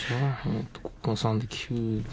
ここが３で９で。